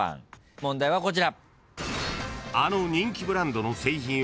問題はこちら。